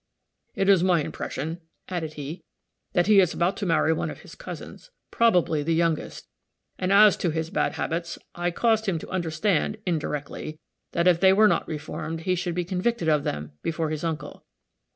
"It is my impression," added he, "that he is about to marry one of his cousins probably the youngest. And as to his bad habits, I caused him to understand, indirectly, that if they were not reformed, he should be convicted of them, before his uncle.